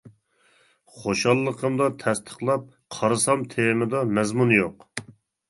خۇشاللىقىمدا تەستىقلاپ، قارىسام تېمىدا مەزمۇن يوق.